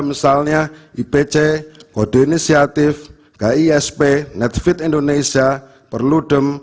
misalnya ipc kode inisiatif kisp netfit indonesia perludem